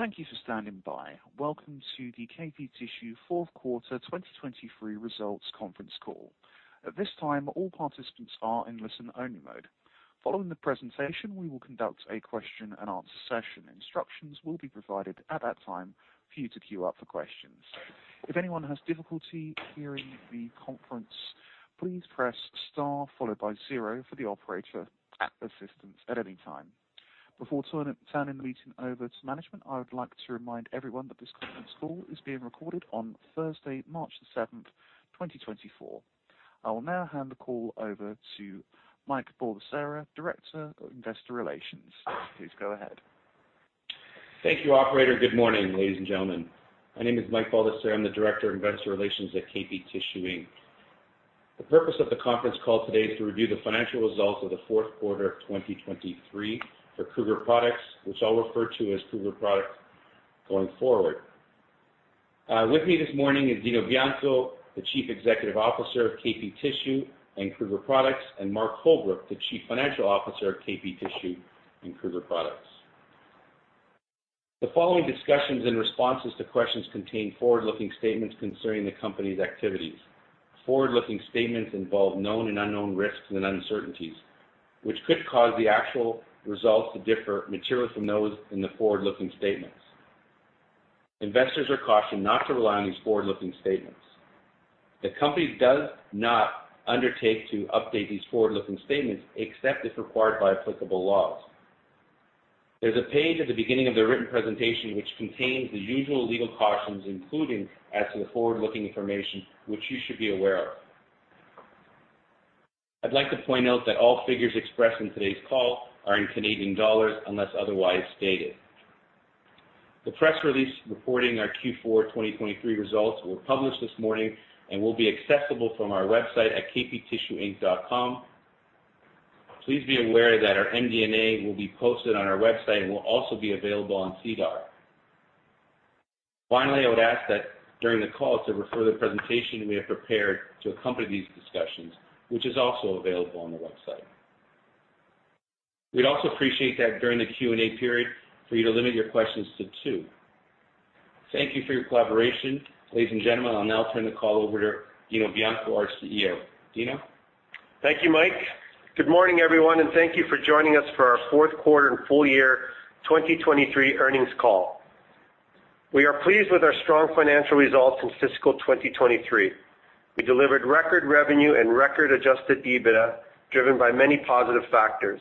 Thank you for standing by. Welcome to the KP Tissue fourth quarter 2023 results conference call. At this time, all participants are in listen-only mode. Following the presentation, we will conduct a question-and-answer session. Instructions will be provided at that time for you to queue up for questions. If anyone has difficulty hearing the conference, please press star followed by zero for operator assistance at any time. Before turning the meeting over to management, I would like to remind everyone that this conference call is being recorded on Thursday, March the 7th, 2024. I will now hand the call over to Mike Baldesarra, Director of Investor Relations. Please go ahead. Thank you, operator. Good morning, ladies and gentlemen. My name is Mike Baldesarra. I'm the Director of Investor Relations at KP Tissue Inc. The purpose of the conference call today is to review the financial results of the fourth quarter of 2023 for Kruger Products, which I'll refer to as Kruger Products going forward. With me this morning is Dino Bianco, the Chief Executive Officer of KP Tissue and Kruger Products, and Mark Holbrook, the Chief Financial Officer of KP Tissue and Kruger Products. The following discussions and responses to questions contain forward-looking statements concerning the company's activities. Forward-looking statements involve known and unknown risks and uncertainties, which could cause the actual results to differ materially from those in the forward-looking statements. Investors are cautioned not to rely on these forward-looking statements. The company does not undertake to update these forward-looking statements except if required by applicable laws. There's a page at the beginning of the written presentation which contains the usual legal cautions, including as to the forward-looking information, which you should be aware of. I'd like to point out that all figures expressed in today's call are in Canadian dollars unless otherwise stated. The press release reporting our Q4 2023 results will be published this morning and will be accessible from our website at kptissueinc.com. Please be aware that our MD&A will be posted on our website and will also be available on SEDAR+. Finally, I would ask that during the call to refer the presentation we have prepared to accompany these discussions, which is also available on the website. We'd also appreciate that during the Q&A period for you to limit your questions to two. Thank you for your collaboration, ladies and gentlemen. I'll now turn the call over to Dino Bianco, our CEO. Dino? Thank you, Mike. Good morning, everyone, and thank you for joining us for our fourth quarter and full-year 2023 earnings call. We are pleased with our strong financial results in fiscal 2023. We delivered record revenue and record Adjusted EBITDA driven by many positive factors.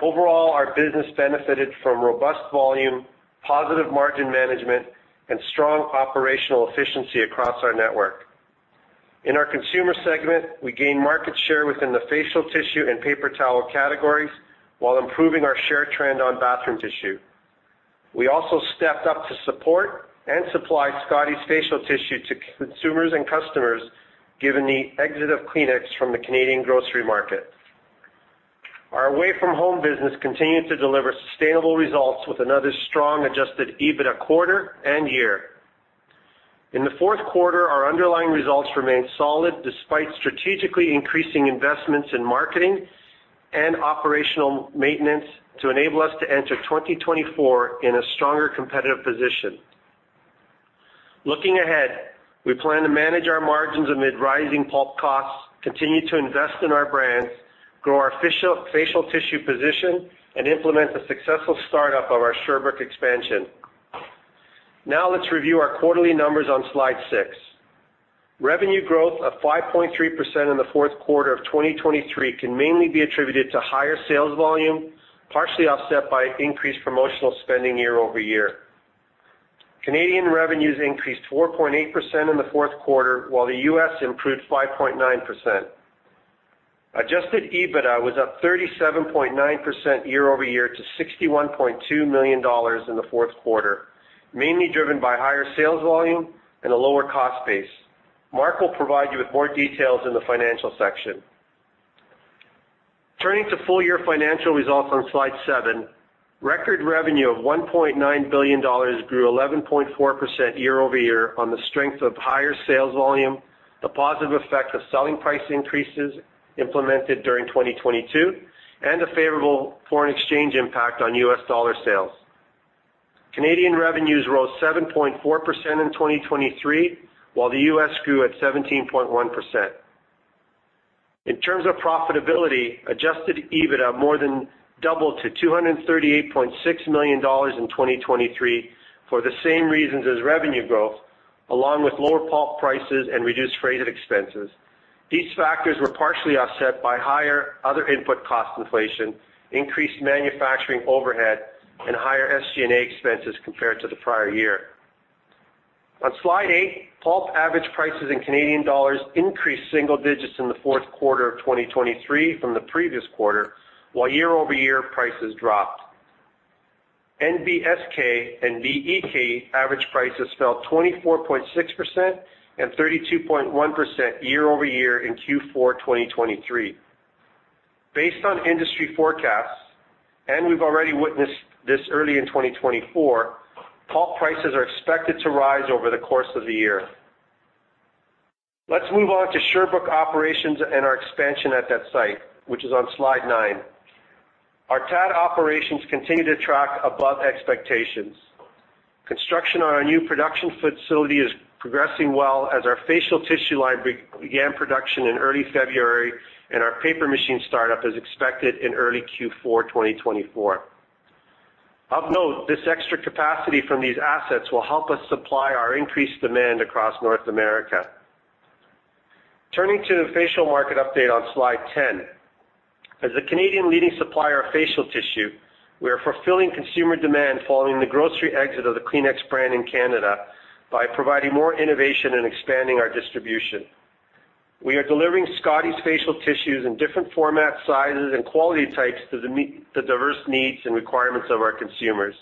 Overall, our business benefited from robust volume, positive margin management, and strong operational efficiency across our network. In our consumer segment, we gained market share within the facial tissue and paper towel categories while improving our share trend on bathroom tissue. We also stepped up to support and supply Scotties facial tissue to consumers and customers given the exit of Kleenex from the Canadian grocery market. Our away-from-home business continued to deliver sustainable results with another strong Adjusted EBITDA quarter and year. In the fourth quarter, our underlying results remained solid despite strategically increasing investments in marketing and operational maintenance to enable us to enter 2024 in a stronger competitive position. Looking ahead, we plan to manage our margins amid rising pulp costs, continue to invest in our brands, grow our facial tissue position, and implement a successful startup of our Sherbrooke expansion. Now let's review our quarterly numbers on slide six. Revenue growth of 5.3% in the fourth quarter of 2023 can mainly be attributed to higher sales volume, partially offset by increased promotional spending year-over-year. Canadian revenues increased 4.8% in the fourth quarter, while the U.S. improved 5.9%. Adjusted EBITDA was up 37.9% year-over-year to 61.2 million dollars in the fourth quarter, mainly driven by higher sales volume and a lower cost base. Mark will provide you with more details in the financial section. Turning to full-year financial results on slide 7, record revenue of 1.9 billion dollars grew 11.4% year-over-year on the strength of higher sales volume, the positive effect of selling price increases implemented during 2022, and a favorable foreign exchange impact on U.S. dollar sales. Canadian revenues rose 7.4% in 2023, while the U.S. grew at 17.1%. In terms of profitability, Adjusted EBITDA more than doubled to 238.6 million dollars in 2023 for the same reasons as revenue growth, along with lower pulp prices and reduced freight expenses. These factors were partially offset by higher other input cost inflation, increased manufacturing overhead, and higher SG&A expenses compared to the prior year. On slide eight, pulp average prices in Canadian dollars increased single digits in the fourth quarter of 2023 from the previous quarter, while year-over-year prices dropped. NBSK and BEK average prices fell 24.6% and 32.1% year-over-year in Q4 2023. Based on industry forecasts, and we've already witnessed this early in 2024, pulp prices are expected to rise over the course of the year. Let's move on to Sherbrooke operations and our expansion at that site, which is on slide nine. Our TAD operations continue to track above expectations. Construction on our new production facility is progressing well as our facial tissue line began production in early February, and our paper machine startup is expected in early Q4 2024. Of note, this extra capacity from these assets will help us supply our increased demand across North America. Turning to the facial market update on slide 10, as the Canadian leading supplier of facial tissue, we are fulfilling consumer demand following the grocery exit of the Kleenex brand in Canada by providing more innovation and expanding our distribution. We are delivering Scotties facial tissues in different formats, sizes, and quality types to the diverse needs and requirements of our consumers.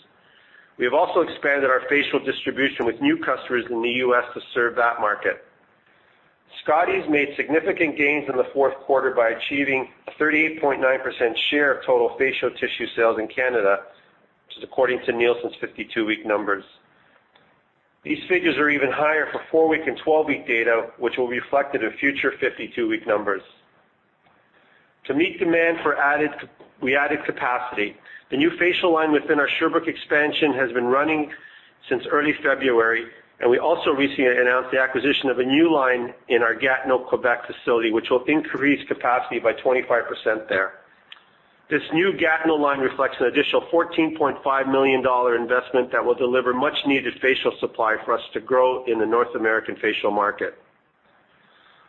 We have also expanded our facial distribution with new customers in the U.S. to serve that market. Scotties made significant gains in the fourth quarter by achieving a 38.9% share of total facial tissue sales in Canada, which is according to Nielsen's 52-week numbers. These figures are even higher for four-week and 12-week data, which will be reflected in future 52-week numbers. To meet demand for added capacity, the new facial line within our Sherbrooke expansion has been running since early February, and we also recently announced the acquisition of a new line in our Gatineau, Quebec facility, which will increase capacity by 25% there. This new Gatineau line reflects an additional 14.5 million dollar investment that will deliver much-needed facial supply for us to grow in the North American facial market.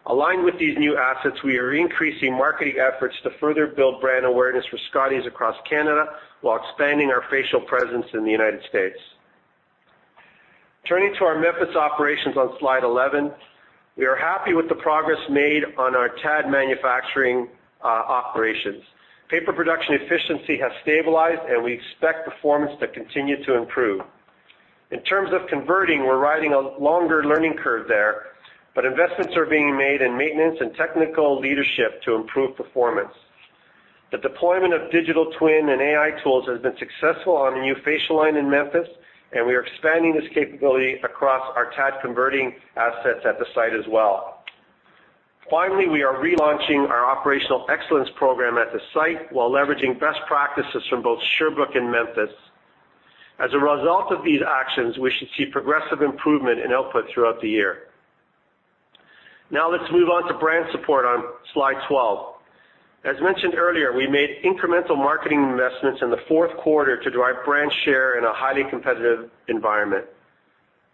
Aligned with these new assets, we are increasing marketing efforts to further build brand awareness for Scotties across Canada while expanding our facial presence in the United States. Turning to our Memphis operations on slide 11, we are happy with the progress made on our TAD manufacturing operations. Paper production efficiency has stabilized, and we expect performance to continue to improve. In terms of converting, we're riding a longer learning curve there, but investments are being made in maintenance and technical leadership to improve performance. The deployment of digital twin and AI tools has been successful on the new facial line in Memphis, and we are expanding this capability across our TAD converting assets at the site as well. Finally, we are relaunching our operational excellence program at the site while leveraging best practices from both Sherbrooke and Memphis. As a result of these actions, we should see progressive improvement in output throughout the year. Now let's move on to brand support on slide 12. As mentioned earlier, we made incremental marketing investments in the fourth quarter to drive brand share in a highly competitive environment.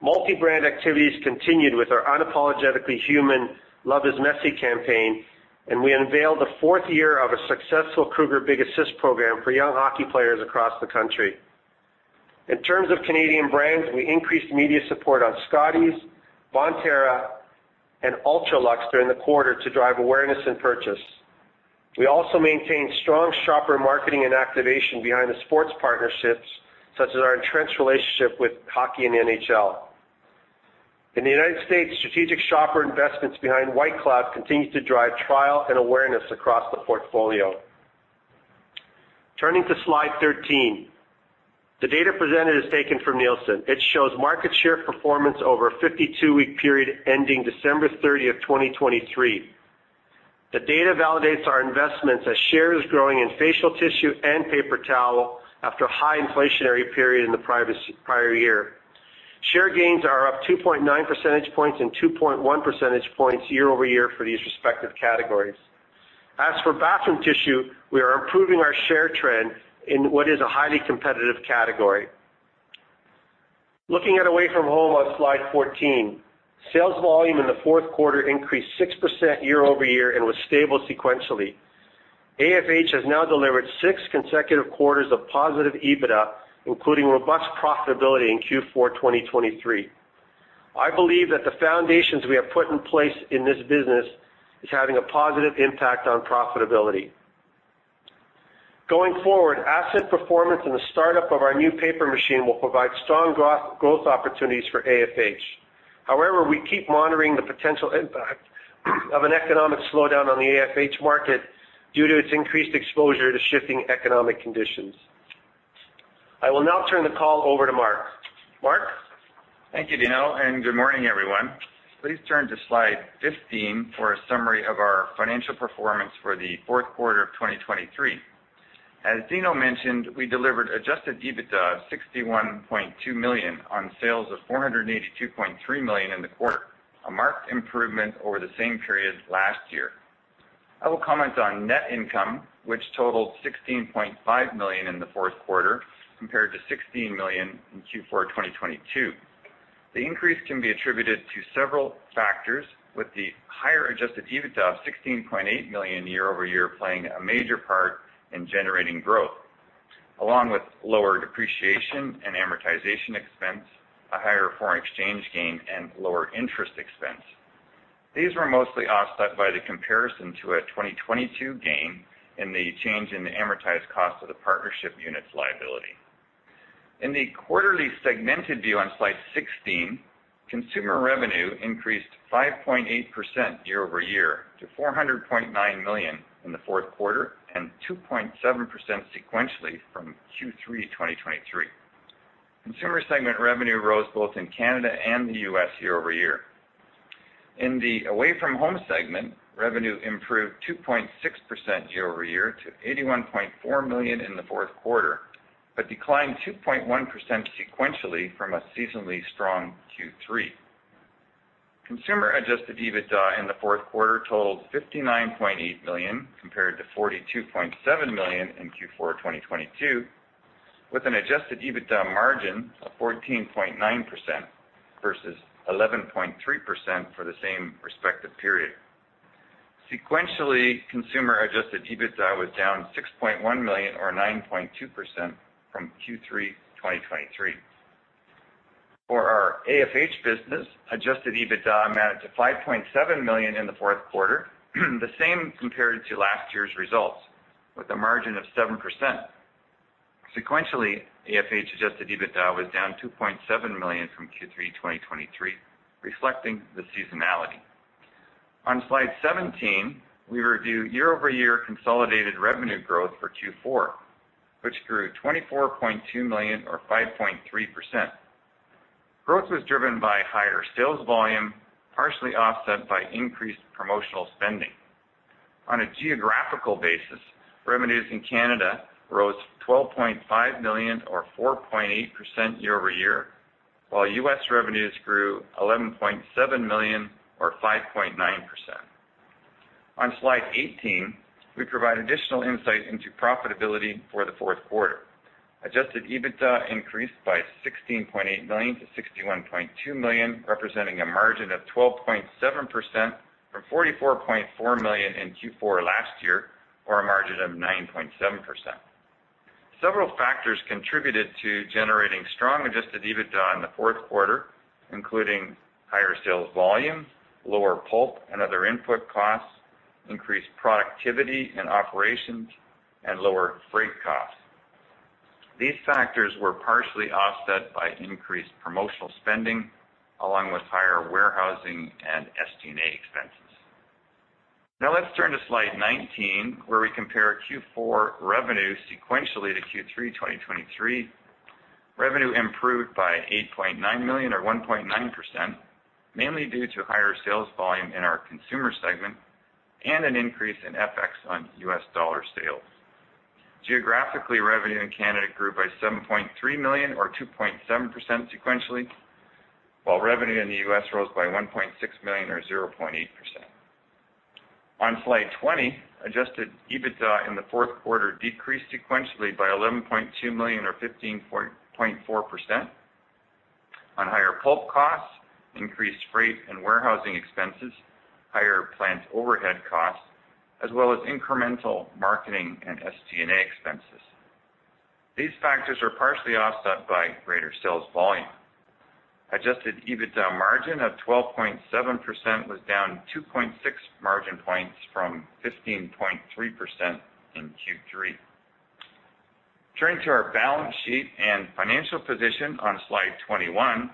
Multi-brand activities continued with our Unapologetically Human Love Is Messy campaign, and we unveiled the fourth year of a successful Kruger Big Assist program for young hockey players across the country. In terms of Canadian brands, we increased media support on Scotties, Bonterra, and UltraLuxeduring the quarter to drive awareness and purchase. We also maintained strong shopper marketing and activation behind the sports partnerships, such as our entrenched relationship with hockey and NHL. In the United States, strategic shopper investments behind White Cloud continue to drive trial and awareness across the portfolio. Turning to slide 13, the data presented is taken from Nielsen. It shows market share performance over a 52-week period ending December 30, 2023. The data validates our investments as shares growing in facial tissue and paper towel after a high inflationary period in the prior year. Share gains are up 2.9 percentage points and 2.1 percentage points year-over-year for these respective categories. As for bathroom tissue, we are improving our share trend in what is a highly competitive category. Looking at away-from-home on slide 14, sales volume in the fourth quarter increased 6% year-over-year and was stable sequentially. AFH has now delivered six consecutive quarters of positive EBITDA, including robust profitability in Q4 2023. I believe that the foundations we have put in place in this business are having a positive impact on profitability. Going forward, asset performance and the startup of our new paper machine will provide strong growth opportunities for AFH. However, we keep monitoring the potential impact of an economic slowdown on the AFH market due to its increased exposure to shifting economic conditions. I will now turn the call over to Mark. Mark? Thank you, Dino, and good morning, everyone. Please turn to slide 15 for a summary of our financial performance for the fourth quarter of 2023. As Dino mentioned, we delivered Adjusted EBITDA of 61.2 million on sales of 482.3 million in the quarter, a marked improvement over the same period last year. I will comment on net income, which totaled 16.5 million in the fourth quarter compared to 16 million in Q4 2022. The increase can be attributed to several factors, with the higher Adjusted EBITDA of 16.8 million year-over-year playing a major part in generating growth, along with lower depreciation and amortization expense, a higher foreign exchange gain, and lower interest expense. These were mostly offset by the comparison to a 2022 gain in the change in the amortized cost of the partnership units liability. In the quarterly segmented view on slide 16, consumer revenue increased 5.8% year-over-year to 400.9 million in the fourth quarter and 2.7% sequentially from Q3 2023. Consumer segment revenue rose both in Canada and the U.S. year-over-year. In the away-from-home segment, revenue improved 2.6% year-over-year to 81.4 million in the fourth quarter but declined 2.1% sequentially from a seasonally strong Q3. Consumer Adjusted EBITDA in the fourth quarter totaled 59.8 million compared to 42.7 million in Q4 2022, with an Adjusted EBITDA margin of 14.9% versus 11.3% for the same respective period. Sequentially, Consumer Adjusted EBITDA was down 6.1 million or 9.2% from Q3 2023. For our AFH business, adjusted EBITDA amounted to 5.7 million in the fourth quarter, the same compared to last year's results, with a margin of 7%. Sequentially, AFH Adjusted EBITDA was down 2.7 million from Q3 2023, reflecting the seasonality. On slide 17, we review year-over-year consolidated revenue growth for Q4, which grew 24.2 million or 5.3%. Growth was driven by higher sales volume, partially offset by increased promotional spending. On a geographical basis, revenues in Canada rose 12.5 million or 4.8% year-over-year, while U.S. revenues grew 11.7 million or 5.9%. On slide 18, we provide additional insight into profitability for the fourth quarter. Adjusted EBITDA increased by 16.8 million to 61.2 million, representing a margin of 12.7% from 44.4 million in Q4 last year or a margin of 9.7%. Several factors contributed to generating strong Adjusted EBITDA in the fourth quarter, including higher sales volume, lower pulp and other input costs, increased productivity and operations, and lower freight costs. These factors were partially offset by increased promotional spending along with higher warehousing and SG&A expenses. Now let's turn to slide 19, where we compare Q4 revenue sequentially to Q3 2023. Revenue improved by 8.9 million or 1.9%, mainly due to higher sales volume in our consumer segment and an increase in FX on U.S. dollar sales. Geographically, revenue in Canada grew by 7.3 million or 2.7% sequentially, while revenue in the U.S. rose by 1.6 million or 0.8%. On slide 20, Adjusted EBITDA in the fourth quarter decreased sequentially by 11.2 million or 15.4% on higher pulp costs, increased freight and warehousing expenses, higher plant overhead costs, as well as incremental marketing and SG&A expenses. These factors are partially offset by greater sales volume. Adjusted EBITDA margin of 12.7% was down 2.6 margin points from 15.3% in Q3. Turning to our balance sheet and financial position on slide 21,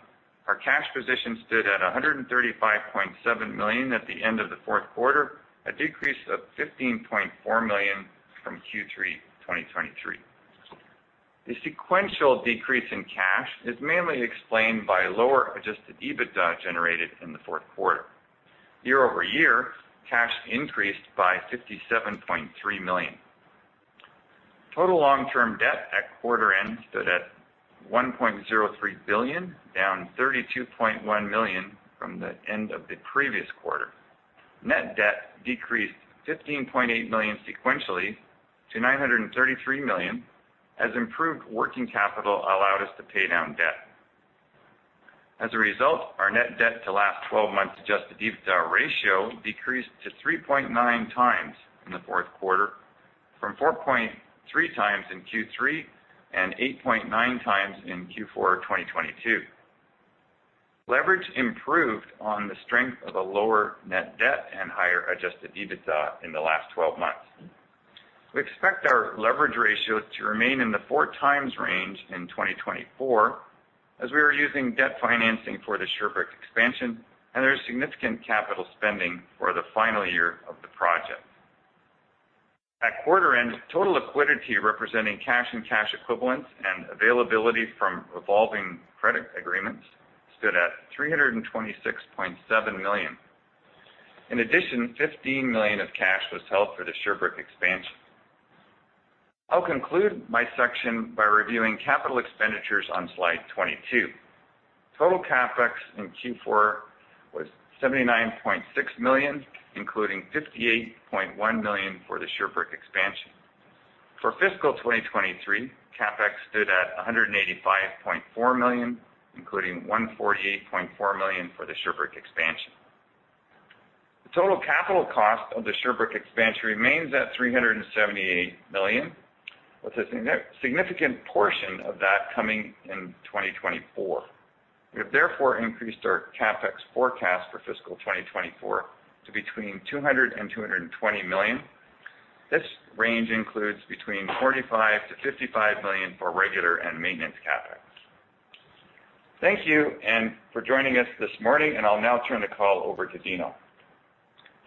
our cash position stood at 135.7 million at the end of the fourth quarter, a decrease of 15.4 million from Q3 2023. The sequential decrease in cash is mainly explained by lower Adjusted EBITDA generated in the fourth quarter. Year-over-year, cash increased by 57.3 million. Total long-term debt at quarter end stood at 1.03 billion, down 32.1 million from the end of the previous quarter. Net debt decreased 15.8 million sequentially to 933 million as improved working capital allowed us to pay down debt. As a result, our net debt to last 12-month Adjusted EBITDA ratio decreased to 3.9x in the fourth quarter from 4.3x in Q3 and 8.9 times in Q4 2022. Leverage improved on the strength of a lower net debt and higher Adjusted EBITDA in the last 12 months. We expect our leverage ratio to remain in the four times range in 2024 as we are using debt financing for the Sherbrooke expansion, and there is significant capital spending for the final year of the project. At quarter end, total liquidity representing cash and cash equivalents and availability from revolving credit agreements stood at 326.7 million. In addition, 15 million of cash was held for the Sherbrooke expansion. I'll conclude my section by reviewing capital expenditures on slide 22. Total CapEx in Q4 was 79.6 million, including 58.1 million for the Sherbrooke expansion. For fiscal 2023, CapEx stood at 185.4 million, including 148.4 million for the Sherbrooke expansion. The total capital cost of the Sherbrooke expansion remains at 378 million, with a significant portion of that coming in 2024. We have therefore increased our CapEx forecast for fiscal 2024 to between 200 million and 220 million. This range includes between $45 million-$55 million for regular and maintenance CapEx. Thank you for joining us this morning, and I'll now turn the call over to Dino.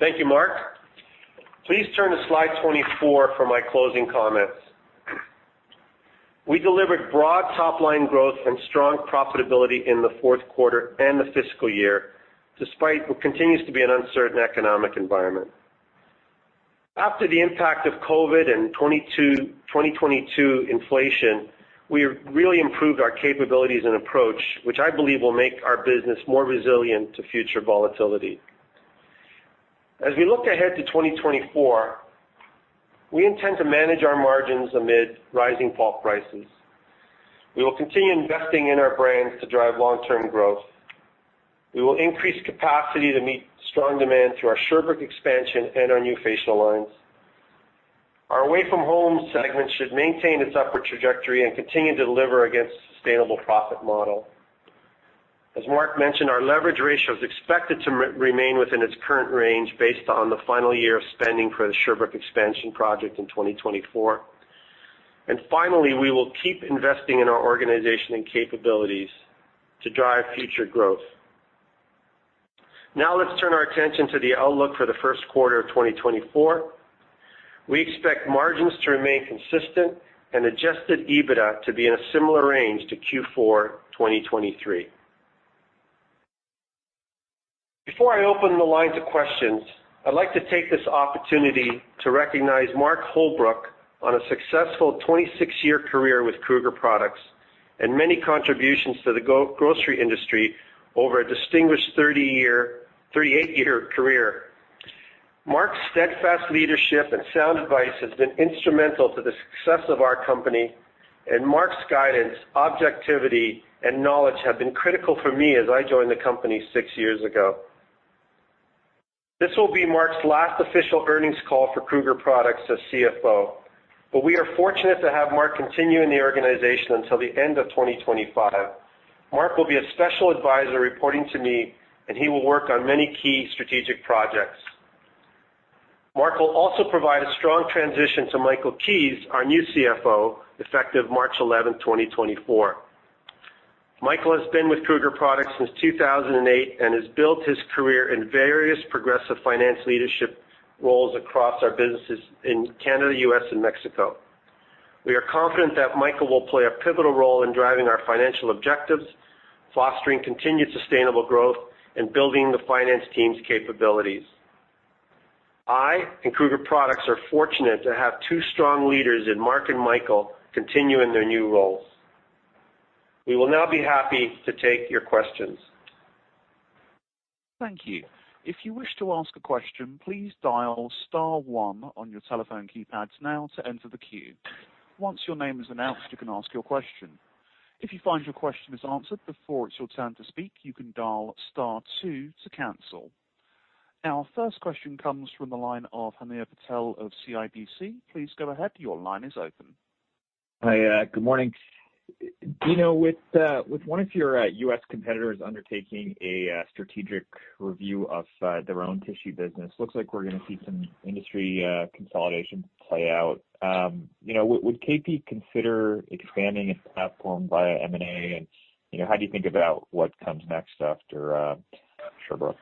Thank you, Mark. Please turn to slide 24 for my closing comments. We delivered broad top-line growth and strong profitability in the fourth quarter and the fiscal year despite what continues to be an uncertain economic environment. After the impact of COVID and 2022 inflation, we really improved our capabilities and approach, which I believe will make our business more resilient to future volatility. As we look ahead to 2024, we intend to manage our margins amid rising pulp prices. We will continue investing in our brands to drive long-term growth. We will increase capacity to meet strong demand through our Sherbrooke expansion and our new facial lines. Our away-from-home segment should maintain its upward trajectory and continue to deliver against the sustainable profit model. As Mark mentioned, our leverage ratio is expected to remain within its current range based on the final year of spending for the Sherbrooke expansion project in 2024. Finally, we will keep investing in our organization and capabilities to drive future growth. Now let's turn our attention to the outlook for the first quarter of 2024. We expect margins to remain consistent and Adjusted EBITDA to be in a similar range to Q4 2023. Before I open the line to questions, I'd like to take this opportunity to recognize Mark Holbrook on a successful 26-year career with Kruger Products and many contributions to the grocery industry over a distinguished 38-year career. Mark's steadfast leadership and sound advice have been instrumental to the success of our company, and Mark's guidance, objectivity, and knowledge have been critical for me as I joined the company six years ago. This will be Mark's last official earnings call for Kruger Products as CFO, but we are fortunate to have Mark continue in the organization until the end of 2025. Mark will be a special advisor reporting to me, and he will work on many key strategic projects. Mark will also provide a strong transition to Michael Keays, our new CFO, effective March 11, 2024. Michael has been with Kruger Products since 2008 and has built his career in various progressive finance leadership roles across our businesses in Canada, U.S., and Mexico. We are confident that Michael will play a pivotal role in driving our financial objectives, fostering continued sustainable growth, and building the finance team's capabilities. I and Kruger Products are fortunate to have two strong leaders in Mark and Michael continue in their new roles. We will now be happy to take your questions. Thank you. If you wish to ask a question, please dial star one on your telephone keypads now to enter the queue. Once your name is announced, you can ask your question. If you find your question is answered before it's your turn to speak, you can dial star two to cancel. Now, our first question comes from the line of Hamir Patel of CIBC. Please go ahead. Your line is open. Hi. Good morning. Dino, with one of your U.S. competitors undertaking a strategic review of their own tissue business, it looks like we're going to see some industry consolidation play out. Would KP consider expanding its platform via M&A? And how do you think about what comes next after Sherbrooke?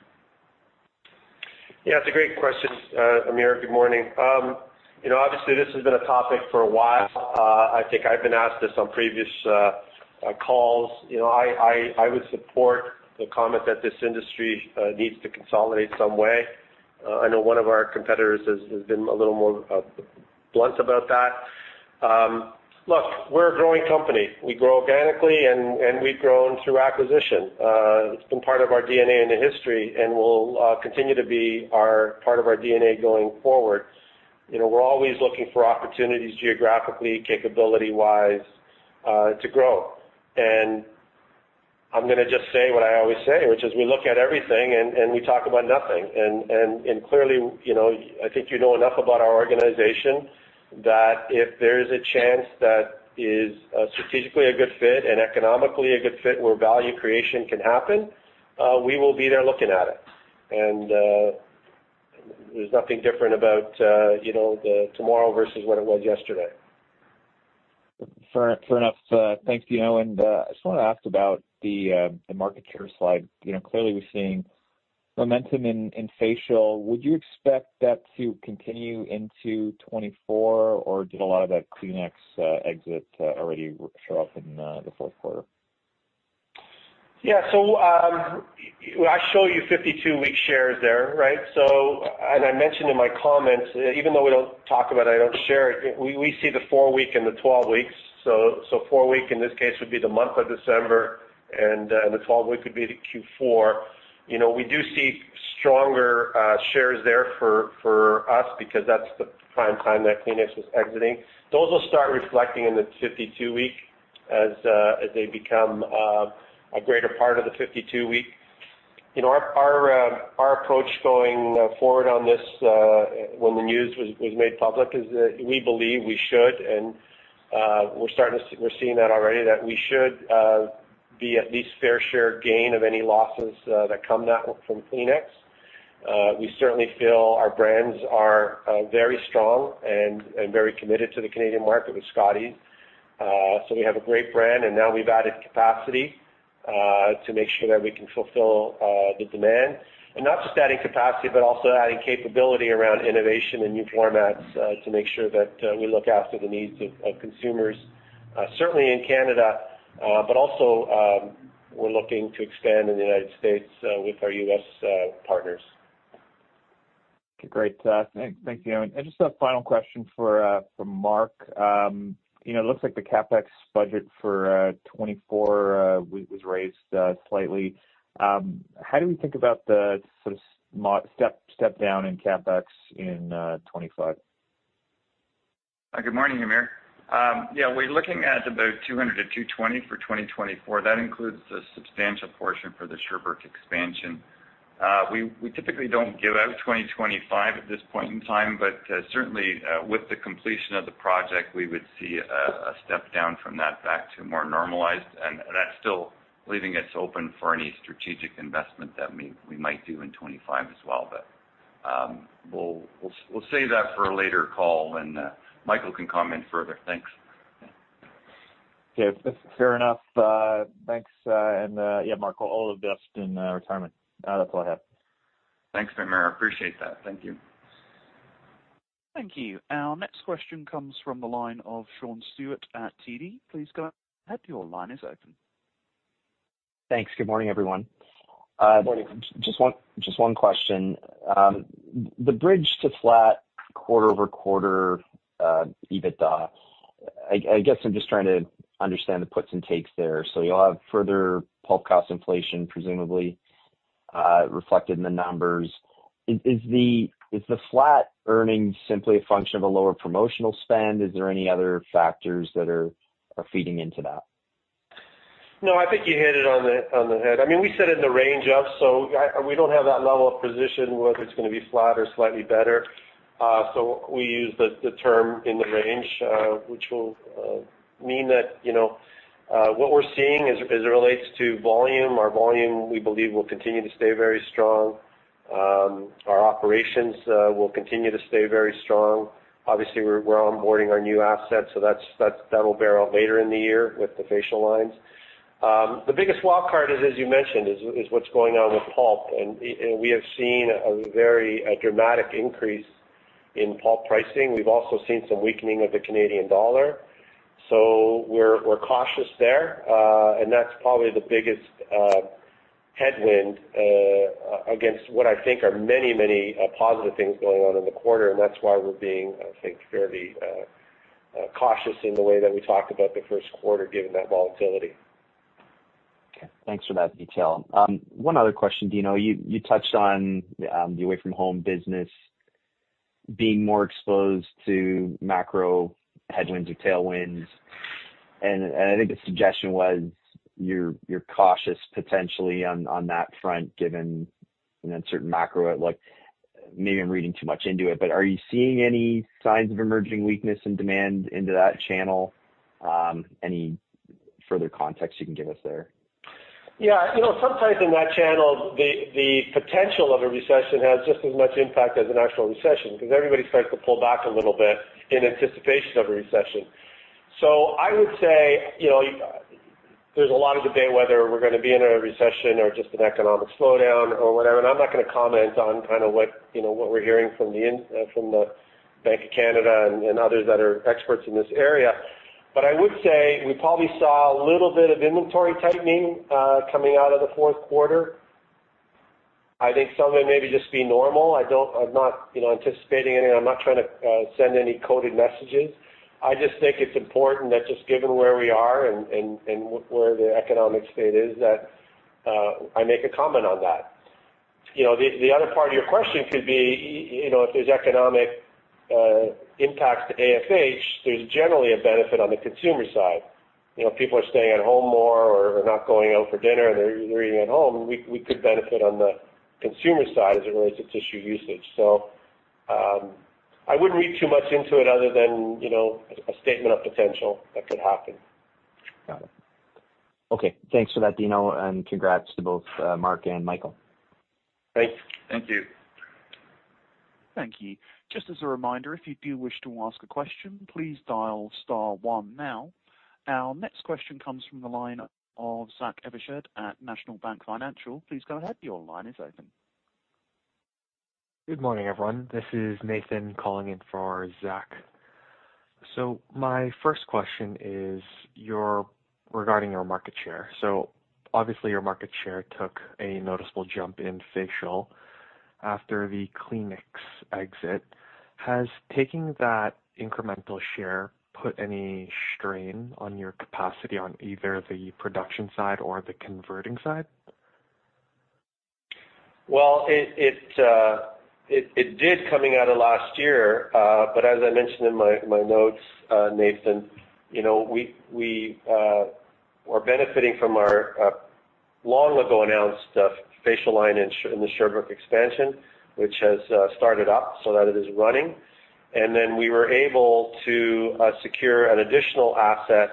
Yeah, it's a great question, Hamir. Good morning. Obviously, this has been a topic for a while. I think I've been asked this on previous calls. I would support the comment that this industry needs to consolidate some way. I know one of our competitors has been a little more blunt about that. Look, we're a growing company. We grow organically, and we've grown through acquisition. It's been part of our DNA and history, and will continue to be part of our DNA going forward. We're always looking for opportunities geographically, capability-wise, to grow. I'm going to just say what I always say, which is we look at everything and we talk about nothing. Clearly, I think you know enough about our organization that if there is a chance that is strategically a good fit and economically a good fit where value creation can happen, we will be there looking at it. There's nothing different about tomorrow versus what it was yesterday. Fair enough. Thanks, Dino. I just want to ask about the market share slide. Clearly, we're seeing momentum in facial. Would you expect that to continue into 2024, or did a lot of that Kleenex exit already show up in the fourth quarter? Yeah. So I show you 52-week shares there, right? And I mentioned in my comments, even though we don't talk about it, I don't share it, we see the four-week and the 12-week. So four-week, in this case, would be the month of December, and the 12-week would be Q4. We do see stronger shares there for us because that's the prime time that Kleenex was exiting. Those will start reflecting in the 52-week as they become a greater part of the 52-week. Our approach going forward on this when the news was made public is that we believe we should, and we're seeing that already, that we should be at least fair share gain of any losses that come from Kleenex. We certainly feel our brands are very strong and very committed to the Canadian market with Scotties. So we have a great brand, and now we've added capacity to make sure that we can fulfill the demand. And not just adding capacity, but also adding capability around innovation and new formats to make sure that we look after the needs of consumers, certainly in Canada, but also we're looking to expand in the United States with our U.S. partners. Okay. Great. Thanks, Dino. Just a final question for Mark. It looks like the CapEx budget for 2024 was raised slightly. How do we think about the step-down in CapEx in 2025? Good morning, Hamir. Yeah, we're looking at about $200-$220 for 2024. That includes a substantial portion for the Sherbrooke expansion. We typically don't give out 2025 at this point in time, but certainly with the completion of the project, we would see a step-down from that back to more normalized. That's still leaving us open for any strategic investment that we might do in 2025 as well. We'll save that for a later call when Michael can comment further. Thanks. Okay. Fair enough. Thanks. Yeah, Mark, all of the best in retirement. That's all I have. Thanks, Hamir. I appreciate that. Thank you. Thank you. Our next question comes from the line of Sean Steuart at TD. Please go ahead. Your line is open. Thanks. Good morning, everyone. Just one question. The bridge to flat quarter-over-quarter EBITDA, I guess I'm just trying to understand the puts and takes there. So you'll have further pulp cost inflation, presumably, reflected in the numbers. Is the flat earnings simply a function of a lower promotional spend? Is there any other factors that are feeding into that? No, I think you hit it on the head. I mean, we said in the range up, so we don't have that level of precision whether it's going to be flat or slightly better. So we use the term in the range, which will mean that what we're seeing as it relates to volume, our volume, we believe will continue to stay very strong. Our operations will continue to stay very strong. Obviously, we're onboarding our new assets, so that'll bear out later in the year with the facial lines. The biggest wildcard is, as you mentioned, is what's going on with pulp. And we have seen a very dramatic increase in pulp pricing. We've also seen some weakening of the Canadian dollar. So we're cautious there, and that's probably the biggest headwind against what I think are many, many positive things going on in the quarter. That's why we're being, I think, fairly cautious in the way that we talked about the first quarter, given that volatility. Okay. Thanks for that detail. One other question, Dino. You touched on the away-from-home business being more exposed to macro headwinds or tailwinds. And I think the suggestion was you're cautious potentially on that front given certain macro. Maybe I'm reading too much into it, but are you seeing any signs of emerging weakness in demand into that channel? Any further context you can give us there? Yeah. Sometimes in that channel, the potential of a recession has just as much impact as an actual recession because everybody starts to pull back a little bit in anticipation of a recession. So I would say there's a lot of debate whether we're going to be in a recession or just an economic slowdown or whatever. And I'm not going to comment on kind of what we're hearing from the Bank of Canada and others that are experts in this area. But I would say we probably saw a little bit of inventory tightening coming out of the fourth quarter. I think some of it maybe just be normal. I'm not anticipating anything. I'm not trying to send any coded messages. I just think it's important that just given where we are and where the economic state is, that I make a comment on that. The other part of your question could be if there's economic impacts to AFH, there's generally a benefit on the consumer side. People are staying at home more or not going out for dinner, and they're eating at home. We could benefit on the consumer side as it relates to tissue usage. So I wouldn't read too much into it other than a statement of potential that could happen. Got it. Okay. Thanks for that, Dino, and congrats to both Mark and Michael. Thanks. Thank you. Thank you. Just as a reminder, if you do wish to ask a question, please dial star one now. Our next question comes from the line of Zach Evershed at National Bank Financial. Please go ahead. Your line is open. Good morning, everyone. This is Nathan calling in for Zach. My first question is regarding your market share. Obviously, your market share took a noticeable jump in facial after the Kleenex exit. Has taking that incremental share put any strain on your capacity on either the production side or the converting side? Well, it did coming out of last year. But as I mentioned in my notes, Nathan, we are benefiting from our long-ago announced facial line in the Sherbrooke expansion, which has started up so that it is running. And then we were able to secure an additional asset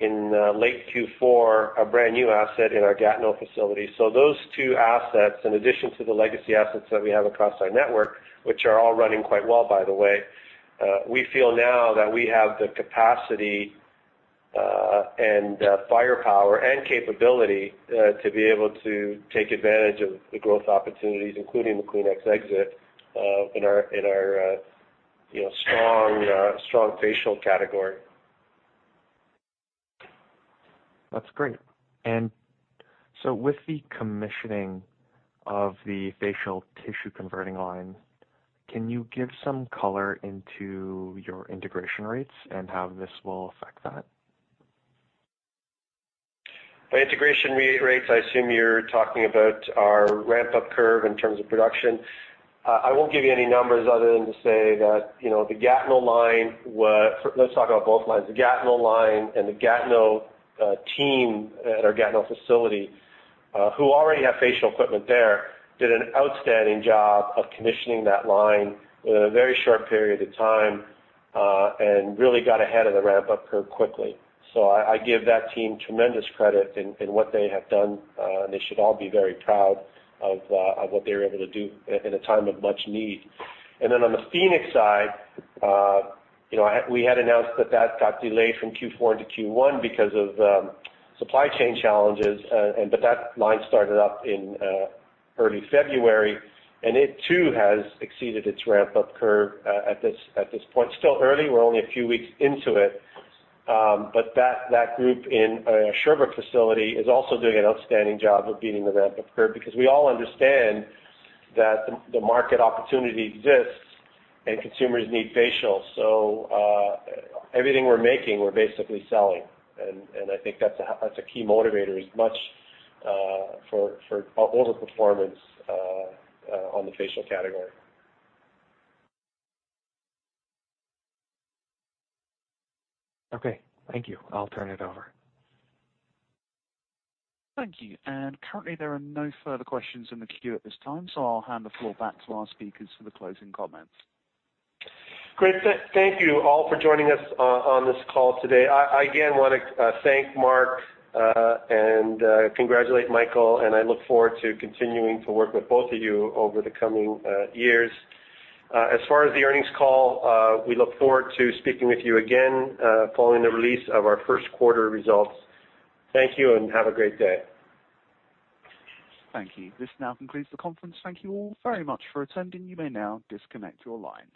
in late Q4, a brand new asset in our Gatineau facility. So those two assets, in addition to the legacy assets that we have across our network, which are all running quite well, by the way, we feel now that we have the capacity and firepower and capability to be able to take advantage of the growth opportunities, including the Kleenex exit, in our strong facial category. That's great. And so with the commissioning of the facial tissue converting line, can you give some color into your integration rates and how this will affect that? By integration rates, I assume you're talking about our ramp-up curve in terms of production. I won't give you any numbers other than to say that the Gatineau line. Let's talk about both lines. The Gatineau line and the Gatineau team at our Gatineau facility, who already have facial equipment there, did an outstanding job of commissioning that line within a very short period of time and really got ahead of the ramp-up curve quickly. So I give that team tremendous credit in what they have done, and they should all be very proud of what they were able to do in a time of much need. And then on the Phoenix side, we had announced that that got delayed from Q4 into Q1 because of supply chain challenges, but that line started up in early February. And it too has exceeded its ramp-up curve at this point. Still early. We're only a few weeks into it. But that group in a Sherbrooke facility is also doing an outstanding job of beating the ramp-up curve because we all understand that the market opportunity exists and consumers need facial. So everything we're making, we're basically selling. And I think that's a key motivator as much for overperformance on the facial category. Okay. Thank you. I'll turn it over. Thank you. Currently, there are no further questions in the queue at this time, so I'll hand the floor back to our speakers for the closing comments. Great. Thank you all for joining us on this call today. I again want to thank Mark and congratulate Michael, and I look forward to continuing to work with both of you over the coming years. As far as the earnings call, we look forward to speaking with you again following the release of our first quarter results. Thank you and have a great day. Thank you. This now concludes the conference. Thank you all very much for attending. You may now disconnect your lines.